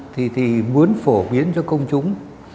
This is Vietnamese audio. thì muốn phổ biến cho công chúng